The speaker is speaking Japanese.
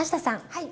はい。